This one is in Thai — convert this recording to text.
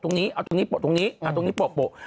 ตรงนี้เอาตรงนี้โปะตรงนี้เอาตรงนี้โปะโปะ